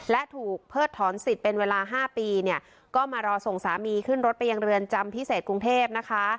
และถูกเพิกถอนสิทธิ์เป็นเวลา๕ปีเนี่ยก็มารอส่งสามีขึ้นรถไปยังเรือนจำพิเศษกรุงเทพนะคะ